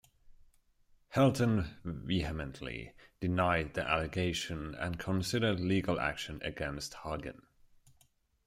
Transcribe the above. Helton vehemently denied the allegation and considered legal action against Hagin.